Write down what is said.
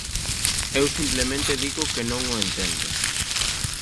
Eu simplemente digo que non o entendo.